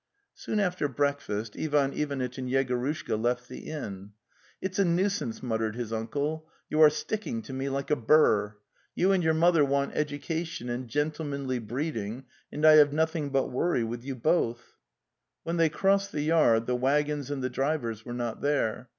"' Soon after breakfast Ivan Ivanitch and Yego rushka left the inn. "It's a nuisance,' muttered his uncle. '' You are sticking to me like a burr. You and your mother want education and gentlemanly breeding and I have nothing but worry with you both. ..." When they crossed the yard, the waggons and the drivers were not there.